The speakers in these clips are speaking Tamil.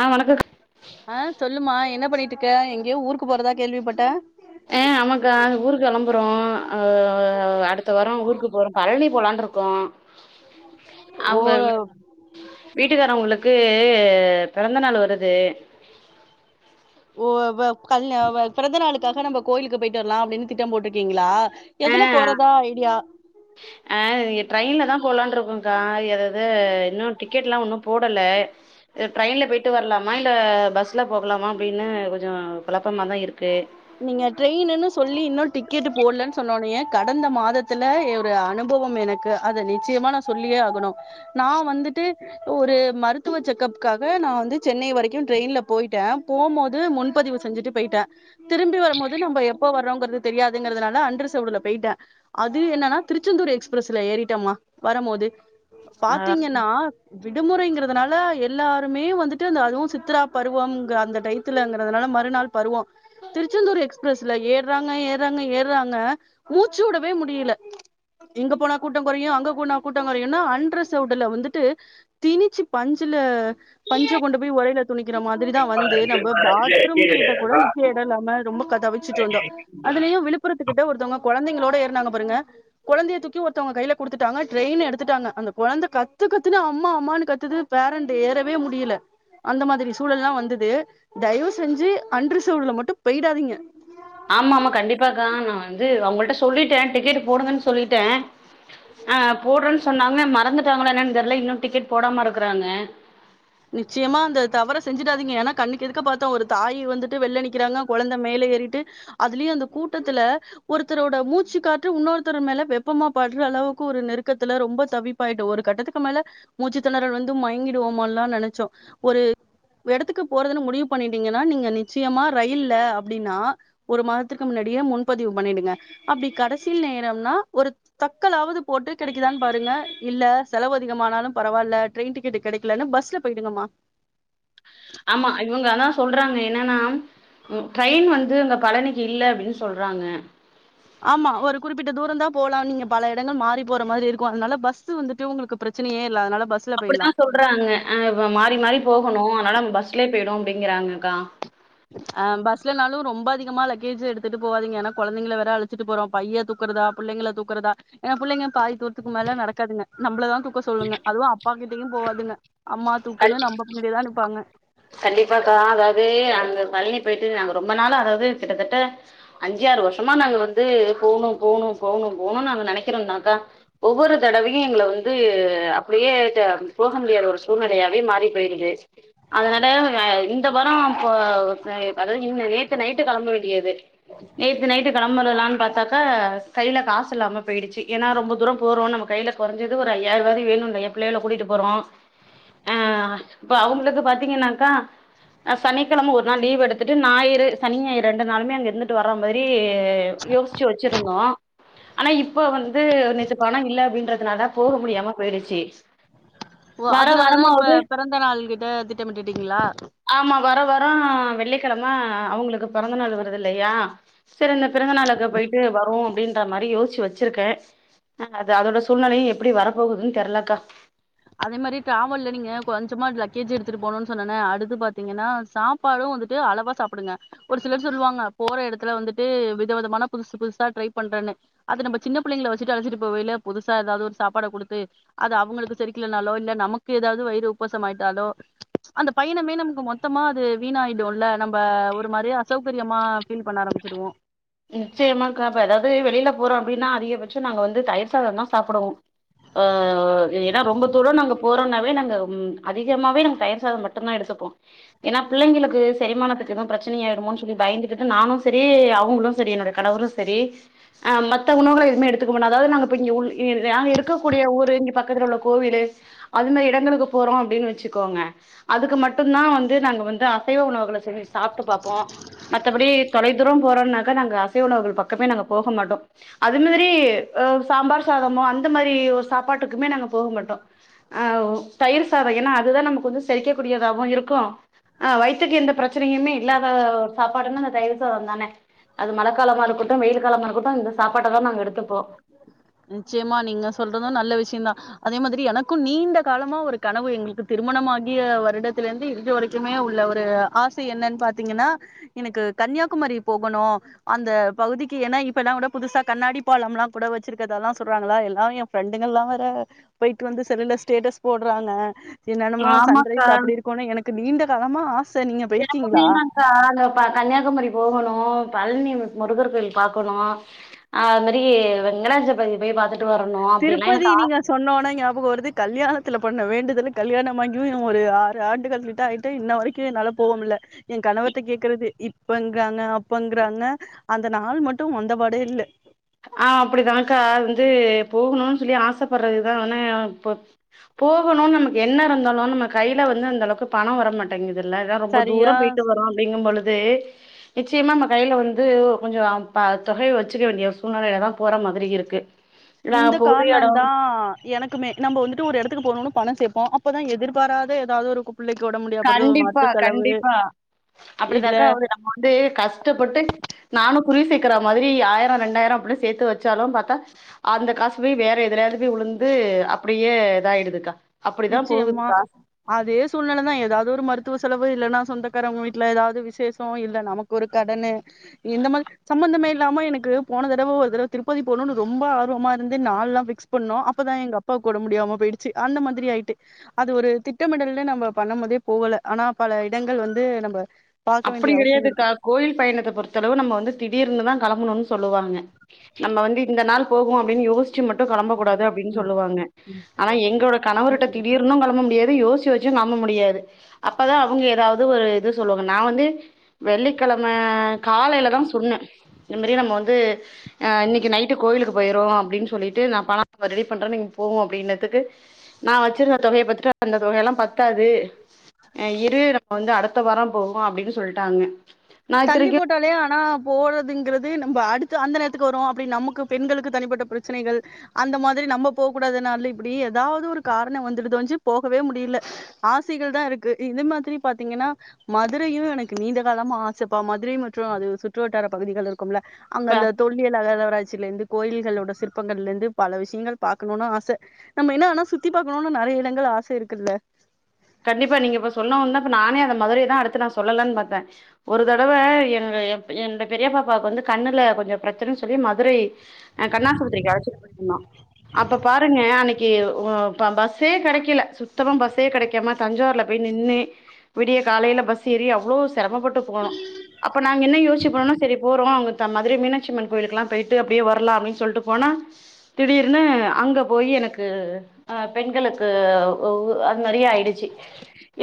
ஆ வணக்கம் ஆ சொல்லுமா என்ன பண்ணிட்டு இருக்க எங்கேயோ ஊருக்கு போறதா கேள்விப்பட்டே ஏ ஆமாக்கா ஊருக்கு கிளம்புறோம் அடுத்த வாரம் ஊருக்கு போறோம் பழனி போலானிருக்கோ கோ ஓ அவங்க விட்டு வீட்டுக்காரவங்களுக்கு பிறந்த நாள் வருது ஓ ஓ கால் பிறந்தநாளுக்காக நம்ம கோயிலுக்கு போயிட்டு வரலாம் அப்டின்னு திட்டம் போட்டிருக்கீங்களா எதுல போறதா ஐடியா அ ட்ரெயின்ல தா போலான்னு இருக்கோக்கா ஏதா இன்னும் டிக டிக்கெட்லா ஒன்னும் போடல ட்ரெயின்ல போயிட்டு வரலாமா இல்ல பஸ்ல போகலாமா அப்டின்னு கொஞ்சொ குழப்பமா தா இருக்கு நீங்க ட்ரெயின்ன்னு சொல்லி இன்னு டிக்கெட் போடலன்னு சொன்னோன கடந்த மாதத்துல ஒரு அனுபவம் எனக் கு அத நிச்சயமா நா சொல்லியே ஆகணு நா வந்துட்டு ஒரு மருத்துவ செக்கப்காக நா வந்து சென்னை வரைக்கு ட்ரெயின்ல போயிட்டே போபோது முன் பதிவு செஞ்சுட்டு போயிட்ட திரும்பி வருபோது நம்ம எப்போ வர்ரோங்றது தெரியாதுங்கறதுனால அன் அன்ரிசவர்டுல போயிட்ட அது என்னன்னா திருச்செந்தூரு எக்ஸ்பிரஸ்ல ஏறிட்டேம்மா வரபோது ஆ பாத்தீங்கனா விடுமுறைங்றதுனால எல்லாருமே வந்துட்டு அந்த அதுவு சித்தரா பருவம்ங்க அந்த டயத்துல அங்க அதனால மறுநாள் பருவோ திருச்செந்தூர் எக்ஸ் எக்ஸ்பிரஸ்ல ஏறாங்க ஏறாங்க ஏறாங்க மூச்சு உடவே முடில இங்க போனா கூட்டொ கொறையு அங்க போனா கூட்டொ கொறையுன்னா அன் ரிசர்வட்ல வந்துட்டு திணிச்சு பஞ்சுல பஞ்ச கொண்டு போய் ஒரையில துணிக்கற மாரிதா வந்து நம்ம பாத் கூட நிக்க கூட எடல்லாம ரொம்ப கதவிச்சுட்டு வந்தோ அதுலயு விழுப்புரத்துக்கிட்ட ஒருத்தங்க கொழந்தைங்களோட ஏறனாங்க பாருங்க கொழந்தைய தூக்கி ஒருத்தவங்க கையில குடுத்துட்டாங்க ட்ரெயின் எடுத்துட்டாங்க அந்த கொழந்த கத்துக் கத்துன்னு அம்மா அம்மான்னு கத்துது பேரன்டு ஏறவே முடில அந்த மாரி சூழல்ல்லா வந்துது தயவு செஞ்சு அன் ரிசர்வட்ல மட்டு போயிடாதீங்க ஆமா ஆமா கண்டிப்பாக்கா நா வந்து அவுங்கள்ட்ட சொல்லிட்டே டிக்கெட் போடுங்கன்னு சொல்லிட்டே ஆ போட்றேன் சொன்னாங்க மறந்துட்டாங்ளா என்னன்னு தெர்ல இன்னு டிக்கெட் போடாம இருக்றாங்க நிச்சயமா அந்த தவற செஞ்சுடாதீங்க ஏனா கண்ணுக்கு எதுக்க பாத்த ஒரு தாயி வந்து வெள்ள நிக்கறாங்க கொழந்த மேலே ஏறிட்டு அதுலயு அந்த கூட்டத்துல ஒருத்தரோட மூச்சு காத்து இன்னொருத்தர் மேல வெப்பமா படுற அளவுக்கு ஒரு நெருக்கத்துல ரொம்ப தவிப் பாய்ட்டு ஒரு கட்டத்துக்கு மேல மூச்சுத்திணறல் வந்து மயங்கிடுவோமோல்லா நெனச்சோ ஒரு எடத்துக்கு போறதுன்னு முடிவு பண்ணிட்டீங்கனா நீங்க நிச்சயமா ரயில்ல அப்டினா ஒரு மாதத்துக்கு முன்னாடியே முன்பதிவு பண்ணிடுங்க அப்டி கடைசி நேரன்னா ஒரு தக்கலாவது போட்டு கெடைக்குதா பாருங்க இல்ல செலவு அதிகமானாலு பரவால்ல ட்ரெயின் டிக்கெட் கெடைக்கலனு பஸ் ல போய்டுங்கம்மா ஆமா இவங்க அதா சொல்றாங்க என்னன்னா ம் ட்ரெயின் வந்து அங்க பழனிக்கு இல்ல அப்டின்னு சொல்றாங்க ஆமா ஒரு குறிப்பிட்ட தூரந் தா போலா நீங்க பல எடங்கள் மாறி போற மாரி இருக்கு அதனால பஸ்ஸு வந்துட்டு ஒங்ளுக்கு பிரச்சனயே இல்ல அதனால பஸ் அப்டித்தா சொல்றாங்க அ மாறி மாறி போகணு அதனால பஸ்லே போயிடு அப்டிங்றாங்கக்கா பஸ்லனாலு ரொம்ப அதிகமா லக்கேஜ் எடுத்து போவாதீங்க ஏனா கொழந்தைங்கள வேற அழச்சிட்டு போறோ பைய தூ தூக்றததா புள்ளங்கள தூக்றதா ஏ புள்ளைங்க பாதி தூரத்துக்கு மேலே நடக்காதுங்க நம்மள தா தூக்க க சொல்லுங்க அதுவு அப்பா கிட்டயு போவாதுங்க அம்மா தூக்குன்னு நம்ம பின்னடிதா நிப்பாங்க கண்டிப்பாக்கா அதாவது அந்த பழனி போயிட்டு நாங்க ரொம்ப நாளா அதாது கிட்டத்தட்ட அஞ்சு ஆறு வருஷமா நாங்க வந்து போணு போணு போவுணு போவுணுனு நாங்க நெனைக்கறோந்தாக்கா ஒவ்வொரு தடவையு எங்கள வந்து அப்டியே போகமுடியாத ஒரு சூழ்நெலையாவே மாறி போய்டுது அதனால இந்த வாரொ இப்ப அதாது நேத்து நைட்டு கெளம்ப வேண்டியது நேத்து நைட்டு கெளம்பிடலா பாத்தாக்கா கைல காசு இல்லாம போயிடுச்சி ஏனா ரொம்ப தூரொ போறோ நம்ம கைல கொறஞ்சது ஒரு ஐயாயிர்வாவது வேணுல்ல பிள்ளைகள கூட்டிட்டு போறோ அ அவுங்ளுக்கு பாத் த்தீங்கனாக்கா சனிக்கெழம ஒரு நாள் லீவு எடுத்துட்டுஞாயிறு சனி ஞாயிறு ரெண்டு நாளுமே அங்கே இருந்துட்டு வர்ற மாரி யோஸ்ச்சு வச்சுருந்தோ ஆனா இப்போ வந்து நேத்து பணோ இல்ல அப்டின்றதுனால போக முடியாம போயிடுச்சி ஓ வர அதனாலதா இப்ப வரமாவுது பிறந்த நாள் கிட்ட திட்டமிட்டுட்டீங்களா ஆமா வர வரோ வெள்ளிக்கெழம அவுங்களுக்கு பெறந்தநாள் வருது இல்லையா செரி இந்த பிறந்தநாளுக்கு போயிட்டு வருவோ அப்டின்ற மாரி யோசிச்சு வெச்சிருக்கே ஆ அது அதோட சூழ்நிலையு எப்டி வரப் போகுதுன் தெர்லக்கா அதே மாரி ட்ராவல்ல நீங்க கொஞ்சமா லக்கேஜ் எடுத்துட்டு போணுனு சொன்னேனே அடுத்து பாத்தீங்கன்னா சாப் ப்பாடு வந்துட்டு அளவா சாப்டுங்க ஒரு சிலர் சொல்வாங்க போற எடத்துல வந்துட்டு வித விதமான புதுசு புதுசா ட்ரை பண்றேனு அது நம்ப சின்னப் பிள்ளைங்கள வெச்சிட்டு அழச்சிட்டு போவையில புதுசா ஏதாவது ஒரு சாப்பாட குடுத்து அது அவுங்களுக்கு செரி க்லேனாலோ இல்ல நமக்கு ஏதாது வயிறு உப்புச ஆயிட்டாலோ அந்த பயணமே நமுக்கு மொத்தமா அது வீணாயிடோல்ல நம்ப ஒரு மாரி அசௌக்ரியமா ஃபீல் பண்ண ஆரம்பிச்சிடுவோ நிச்சயமாக்கா இப்ப ஏதாது வெளில போறோ அப்டினா அதிகபட்சோ நாங்க வந்து தயிர் சாதோந்தா சாப்புடுவோ ஆ ஏனா ரொம்போ தூரோ நாங்க போறோன்னாவே நாங்க ம் அதிகமாவே நாங்க தயிர் சாத மட் டுந்தோ எடுத்துப்போ ஏனா பிள்ளைங்ளுக்கு செரிமானத்துக்கு எதுவு பிரச்சினை ஆயிடுமோன் சொல்லி பயந்துக்கிட்டு நானு செரி அவுங்களு செரி என்னுடைய கணவரு செரி ஆ மத்த உணவுகள எதுமே எடுத்துக்க மாட்டோ அதாது நாங்க இப்போ இங்க உள் இ நாங்க இருக்கக்கூடிய ஊரு இங்க பக்கத்துல உள்ள கோவிலு அது மேரி இடங்களுக்கு போறோ அப்டினு வெச்சுக்கோங்க அதுக்கு மட்டுந்தா வந்து நாங்க வந்து அசைவ உணவுகள செஞ்சி சாப்ட்டு பாப்போ மத்தபடி தொலைதூரோ போறோன்னாக்கா நாங்க அசைவ உணவுகள் பக்கமே நாங்க போக மாட்டோ அது மேரி ஆ சாம்பார் சாதமோ அந்த மாரி ஓர் சாப்பாட்டுக்குமே நாங்க போக மாட்டோ ஆ தயிர் சாதோ ஏனா அதுதா நமக்கு வந்து செரிக்கக் கூடியதாவு இருக்கு ஆ வயித்துக்கு எந்த பிரச்சினையுமே இல்லாத ஓர் சாப்பாடுன்னா அந்த தயிர் சாதோந்தானே அது மழக்காலமா இருக்கட்டு வெயில் காலமா இருக்கட்டு இந்த சாப்பாட்ட தா நாங்க எடுத்துப்போ நிச்சியமா நீங்க சொல்றது நல்ல விஷ்யந்தா அதே மாதிரி எனக்கு நீண்ட காலமா ஒரு கனவு எங்களுக்கு திருமணமாகிய வருடத்துலேருந்து இன்று வரைக் குமே உள்ள ஒரு ஆச என்னன் பாத்தீங்கன்னா எனக்கு கன்னியாகுமரி போகணு அந்த பகுதிக்கு ஏன்னா இப்பல்லா கூட புதுசா கண்ணாடி பாலம்லாங் கூட வச்சிருக்கறதாலா சொல்றாங்களா எல்லாரு ஏ ஃப்ரெண்டுங்கள்லா வேற போயிட்டு வந்து செல்லுல ஸ்டேட்டஸ் போட்றாங்க என்னன்னமோ ஆமாக்கா சன்ரைஸ் அப்டி இருக் கோணு எனக்கு நீண்ட காலமா ஆச நீங்க போயிருக்கீங்களா கா அந்த இப்ப கன்னியாகுமரி போகோணு பழ்னி முருகர் கோயில் பாக்குணோ அது மேரி வெங்கடாஜபதிக் போய் பாத்துட் திருப்பதி நீங்க சொன்னோன்னே ஞாபகோ வருது கல்யாணத்துல பண்ண வேண்டுதலு கல்யாணமாகியு ஒரு ஆறு ஆண்டுகள் கிட்ட ஆயிட்ட இன்ன வரைக் கு என்னால போக முல்ல ஏ கணவர்ட்ட கேக்கறது இப்பங்கறாங்க அப்பங்கறாங்க அந்த நாள் மட்டு வந்தபாடே இல்ல ஆ அப்டிதாக்கா வந்து போகுணுன் சொல்லி ஆசப்பட்றது தா ஆனா இப்ப போகுணுன்னு நமக்கு எண்ண இருந்தாலு நம்ம கையில வந்து அந்தளவுக்கு பணோ வரமாட்டேங்கிதுல்ல இதா ரொம்போ தூர சரியா போயிட்டு வரோ அப்டிங்கும் பொழுது நிச்சயமா நம்ம கையில வந்து கொஞ்சோ ப தொகைய வெச்சுக்க வேண்டிய சூழ்நிலையில தா போற மாதிரி இருக்கு நா இந்த பொது எடம் காரணந்தா எனக்குமே நம்ம வந்துட்டு ஒரு எடத்துக்கு போனுனு பணோ கேப்போ அப்பதா எதிர்பாராத ஏதாவுது ஒரு கு பிள்ளைக்கு ஒடம் முடி கண்டிப்பா கண்டிப்பா இல்ல அப்டிதாக்கா அவரு நம்ம வந்து கஷ்டப்பட்டு நானு குருவி சேக்கர மாத்ரி ஆயிரோ ரெண்டாயிரோ அப்டி சேத்து வெச்சாலு பாத்தா அந்த காசு போய் வேற எதுலயாவது போய் வுழுந்து அப்டியே இதாயிடுதுக்கா அப்படிதான் போகுது நிச்சயமா அதே சூழ்நில தா ஏதாவது ஒரு மருத்துவ செலவு இல்லேனா சொந்தக்காரவங்க வீட்ல ஏதாவது விசேஷோ இல்ல நமக்கு ஒரு கடனு இந்த மல் சம்பந்தமே இல்லாம எனக்கு போன தடவ ஒரு தடவ திருப்பதி போணுனு ரொம்ப ஆர்வமா இருந்து நாள்லா ஃபிக்ஸ் பண்ணு அப்பதா எங்கப் ப்பாக்கு ஒடம்பு முடியாம போயிடுச்சு அந்த மாத்ரி ஆயிட்டு அது ஒரு திட்டமிடல்னு நம்ம பண்ணும் போதே போகல ஆனா பல இடங்கள் வந்து நம்ப அப்டி கெடையாதுக்கா கோயில் பயணத்த பொறுத் த்தளவு நம்ம வந்து திடீர்னு தா கெளம்பணுன் சொல்லுவாங்க நம்ம வந்து இந்த நாள் போகு அப்டின் யோச் ச்சு மட்டு கெளம்பக்கூடாது அப்டின் சொல்லுவாங்க ஆனா எங்களோட ம் கணவர்ட்டு திடீர்னு கெளம்ப முடியாது யோச்சி வெச் ச்சு நம்ப முடியாது அப்பதா அவங்க ஏதாவது ஒரு இது சொல்லுவாங் நா வந்து வெள்ளிக்கிழம காலைல தா துன்ன இந்த மாரி நம்ம வந்து இன்னிக்கு நைட்டு கோவிலுக்கு போய்ருவோ அப்டின் சொல்லிட் ட்டு நா பண [inaudible] ரெடி பண்றே நீங் போ அப்டினதுக்கு நா வெச்சிருந்த தொகய பாத்துட்டு அந்த தொகையெல்லாம் பத்தாது இரு நம்ம வந்து அடுத்த வாரோ போவோ அப்டினு சொல்ட்டாங்க நா தள்ளி இத்தனைக்கு போட்டாலே ஆனா போறதுங்கிறது நம்ம அடுத்து அந்த நேரத்துக்கு வரு அப்டி நமக்கு பெண்களுக்கு தனிப்பட்ட பிரச்சனைகள் அந்த மாத்ரி நம்ம போக கூடாது நாள்ல இப்டி ஏதாவது ஒரு காரண வந்துடுது ஒஞ்சு போகவே முடியில ஆசைகள் தா இருக்கு இது மாத்ரி பாத்தீங்கனா மதுரையு எனக்கு நீண்ட காலமா ஆ சப்பா மதுரையு மற்று அது சுற்று வட்டார பகுதிகள் இருக்கும்ல அங்க இப்ப அந்த தொல் வியல் அகழ்வாராய்ச்சியிலிருந்து கோயில்களோட சிற்பங்கள்ல இருந்து பல விஷ்யங்கள் பாக்கணுனு ஆச நம்ம இன்னு ஆனா சுத்தி பாக்கணுனு நெறைய இடங்கள் ஆச இருக்குல்ல கண்டிப்பா நீங்க இப்ப சொன்னவுட்னே இப்ப நானே அந்த மதுரைதா அடுத்து நா சொல்லலான் பாத்தே ஒரு தடவ எங்க எம் என்ட பெரிய பாப்பாக்கு வந்து கண்ணுல கொஞ்ச பிரச்சனன் சொல்லி மதுரை அ கண்ணாஸ்பத்ரிக்கு அழச்சிட் போய்ருந்தோ அப்ப பாருங்க அன்னிக்கு ஒ ப பஸ்ஸே அ கெடைக்கல சுத்தமா பஸ்ஸே கெடை காம தஞ்சாவுர்ல போய் நின்னு விடிய காலைல பஸ் ஏறி அவ்ளோ ஸ் சிரமப்பட்டு போனோ அப்ப நாங்க என்ன யோச்சிபோனா செரி போறோ அங்க த மதுரை மீனாட்சி அம்மன் கோயிலுகுல்லா போய்ட்டு அப்டியே வர்லா அப்டின் சொல்ட்டு போனா திடீர்னு அங்க போய் எனக்கு அ பெண்களுக்கு ஒ அது மாரி ஆய் டுச்சு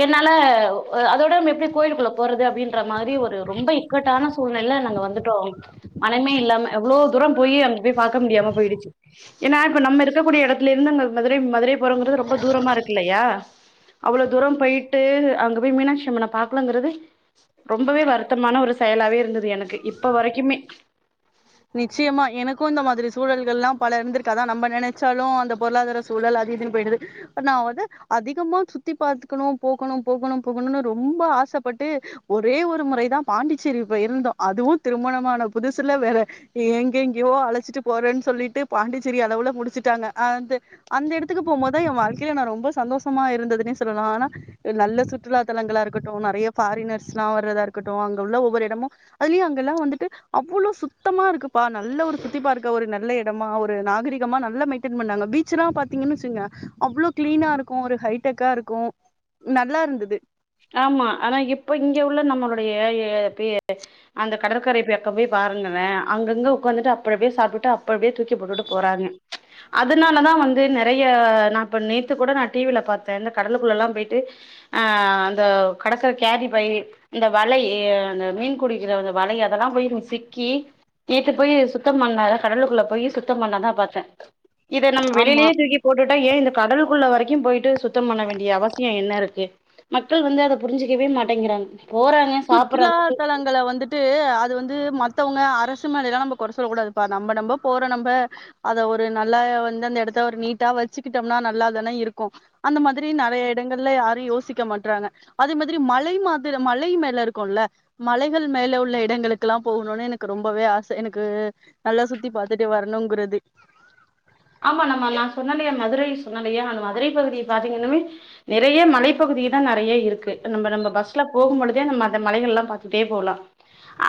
என்னா [unintelligible] அதோட நா எப்டி கோயிலுக்குள்ள போறது அப்டின்ற மாரி ஒரு ரொம்ப இக்கட்டான சூழ்நில நாங்க வந்து ட்டோ மனமே இல்லாம எவ்ளோ தூரோ போயி அங்க போய் பாக்க முடியாம போய்டுச்சு ஏன்னா இப்ப நம்ம இருக்கக்கூடிய எடத்துலிருந்து அங்க மதுரை மதுரை போறோங்கிறது ரொம்ப தூரமா இருக்குல்லயா அவ்ளோ தூரோ போய்ட்டு அங்க போய் மீனாட்சி அம்மன பாக்கலங்கறது ரொம்பவே வருத்தமான ஒரு செயலாவே இருந்தது எனக்கு இப்ப வரைக்குமே நிச்சயமா எனக்கு இந்த மாத்ரி சூழல்கள்ல்லா பல இருந்திருக்கு அதா நம்ம நெனச்சாலு அந்த பொருளாதார சூழல் அதுஇதுன் போயிடுது ஒன்னாவது அதிகமா சுத்தி பாத்துக்கணு போகணு போகணு போகணுனு ரொம்ப ஆசப்பட்டு ஒரே ஒரு முறைதா பாண்டிச்சேரி போய் இருந்தோ அதுவு திருமணமான புதுசுல வேற எங்க எங்கேயோ அழச்சிட்டு போறேன்னு சொல்லிட்டு பாண்டிச்சேரி அளவுல முடிச்சுட்டாங்க அ த அந்த இடத்துக்கு போம்போதா வாழ்க்கையில நா ரொம்ப சந்தோஷமா இருந்ததுன்னே சொல்லலா ஆனா நல்ல சுற்றுலாத்தலங்களா இருக்கட்டு நெறைய ஃபாரினர்ஸ் ல்லா வர்றதா இருக்கட்டு அங்க உள்ள ஒவ்வொரு எடமு அதுலயு அங்க எல்லா வந்துட்டு அவ்ளோ சுத் தமா இருக்குப்பா நல்ல ஒரு சுத்திபார்க்க ஒரு நல்ல இடமா ஒரு நாகரிகமா நல்ல மெயின்டென் பண்ணாங்க பீச் சுலா பாத்தீங்கன்னு வச்சுங்க அவ்ளோ க்ளீனா இருக்கு ஒரு ஹைடெக்கா இருக்கு நல்லா இருந்தது ஆமா ஆனா இப்ப இங்க உள்ள நம்மளுடை எ பே அந்த கடற்கரை பக்கோ போயி பாருங்களே அங்கங்க உக்காந்துட்டு அப்டி அப்டியே சாப்டுட்டு அப்டி அப்டியே தூக்கி போட்டுட்டு போறாங்க அதனாலதா வந்து நெறையா நா இப்ப நேத்து கூட நா டி வி ல பாத்தே இந்த கடலுக்குள்ள எல்லா போயிட்டு அ அந்த கெடக்குற கேரி பை இந்த வலை அந்த மீன் குடிக்கிற அந்த வலை அதெல்லா போயி சிக்கி நேத்து போயி சுத்த பண்ண கடலுக்குள்ள போயி சுத்தம் பண்ணத பாத்தே இது நம்ம ஆமா வெளியிலேயே தூக்கி போட்டு ஏ இந்த கடலுகுள்ள வரைக்கு போயிட்டு சுத்தோ பண்ண வேண்டிய அவசிய என்ன இருக்கு மக்கள் வந்து அத புரிஞ்சுக்கவே மாட்டேங்கிறாங்க போறாங்க சாப்றாங்க தூக்கி விட்டு அது வந்து மற்றவங்க அரசு மேலேல்லா நம்ம கொற சொல்லக்கூடாது பா நம்ம நம்ம போற நம்ப அத ஒரு நல்லா வந்து அந்த எடத்த ஒரு நீட்டா வச்சுக்கிட்டோம்னா நல்லா தானே இருக்கு அந்த மாரி நெறையா எடங்கள்ல யாரு யோசிக்க மாட்றாங்க அதே மாதிரி மலை மலை மே ல இருக்கும்ல மலைகள் மேல உள்ள இடங்களுக்கெல்லா போகணுனு எனக்கு ரொம்பவே ஆச எனக்கு நல்லா சுத்தி பாத்துட்டே வரணுங்குறது ஆமா நம்மா நா சொன்லயா மதுரை சொன்லயா இல்லையா அந்த மதுரை பகுதிய பாத்தீங்கனாவே நிறைய மலைப்பகுதி தா நெறையா இருக்கு நம்ம நம்ப பஸ்ல போகும்பொழுதே நம்ம அந்த மலைகள் எல்லா பாத்துட்டே போலா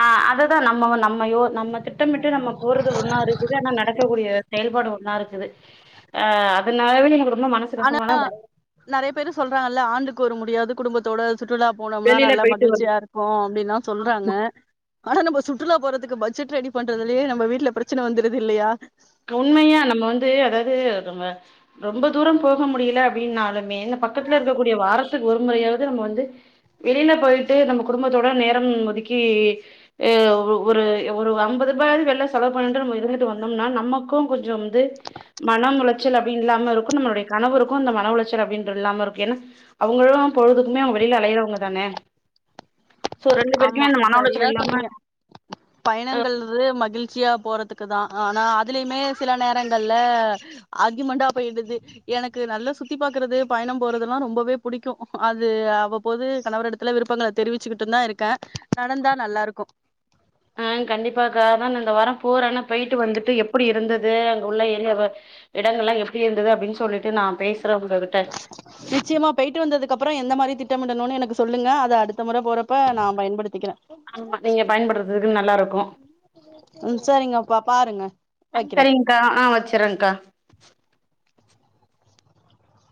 ஆ அதுதா நம்ம நம்மையோ நம்ம திட்டமிட்டு போறது ஒண்ணா இருச்சது ஆனா நடக்கக்கூடிய செயல்பாடு ஒ ண்ணா இருக்குது ஆ அதனாலவே எனக்கு ரொம்ப மனசு ஆனா கஷ்டமான நெறையா பேரு சொல்றாங்கல்ல ஆண்டுக்கு ஒரு முறையாவது குடும்பத்தோட சுற்றுலா போனோம்னா வெளியில நல்ல போயிட்டு வரும் மகிழ்ச்சியா இருக்கு அப்டின்ல்லா சொல்றாங்க ஆனா நம்ம சுற்றுலா போறதுக்கு பட்ஜெட் ரெடி பண்றதுலயே நம்ம வீட்ல பிரச்சன வந்துருது இல்லையா உண்மையா நம்ம வந்து அதாவது நம்ம ரொம்ப தூரோ போக முடியல அப்டின்னாலுமே இந்த பக்கத்துல இருக்கக்கூடிய வாரத்துக்கு ஒரு முறையாவது நம்ம வந்து வெளியில போயிட்டு நம்ம குடும்பத்தோட நேரம் ஒதுக்கி ஒரு ஒரு ஐம்பது ரூபாயாவது வெளியில செலவு பண்ணிட்டு இருந்துட்டு வந்தோம்னா நம்ம மக்கு கொஞ்சோ வந்து மனம் உள ச்சல் அப்டினு இல்லாம இருக்கு நம்மளுடைய கணவருக்கு அந்த மன உளைச்சல் அப்டின்றது இல்லாம இருக்கு ஏனா அவுங்களா பொழுதுக்கு வெளியில அலையறவங்க தானே சோ ரெண்டு ஆமா பேருக்குமே அந்த மன செரியா உளைச்சல் இல்லாம சொன்னீங்க பயணங்கள் மகிழ் ச்சியா போறதுக்கு தா ஆனா அதுலயுமே சில நேரங்கள்ல ஆர்க்யூமென்டா போயிடுது எனக்கு நல்லா சுத்தி பாக்குறது பயண போறதெல்லா ரொம்பவே பிடிக்கு அது அவ்வப்போது கணவர் எடுத் விருப்பங்கள தெரிவிச்சுக்கிட்டு தா இருக்கே நடந்தா நல்லா இருக்கு கண்டிப்பா கா அதா இந்த வரோ போறேன்னா போயிட்டு வந்துட்டு எப்டி இருந்தது அங்க உள்ள எல்லா இடங்கள் எல்லா எப்டி இருந்தது அப்டின்னு சொல்லிட்டு நா பேசுறோம்ன்றது நிச்சயமா போயிட்டு வந்ததுக்குப்புறோ எந்த மாரி திட்டமிடனுனு எனக்கு சொல்லுங்க அத அடுத்த முற போறப் ப்ப நா பயன்படுத்திக்கிறே ஆமா நீங்க பயன்படுத்துறதுக்கு நல்லா இருக்கு ம் செரிங்கப்பா பாருங்க வைக்கிறே செரிங்க்கா ஆ வச்சறேங்க்கா